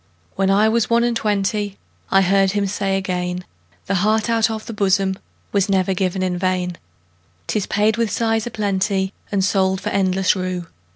When I was one and twentyI heard him say again,'The heart out of the bosomWas never given in vain;'Tis paid with sighs a plentyAnd sold for endless rue.